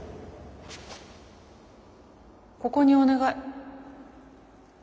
ここにお願い。